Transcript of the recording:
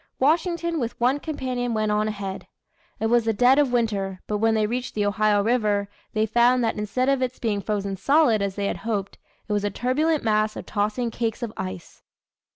Washington with one companion went on ahead. It was the dead of winter, but when they reached the Ohio River, they found that instead of its being frozen solid, as they had hoped, it was a turbulent mass of tossing cakes of ice.